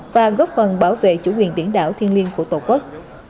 và góp phần bảo vệ chủ quyền biển đảo thiên liêng của tổ quốc